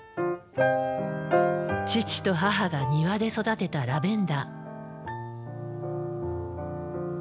父と母が庭で育てたラベンダー。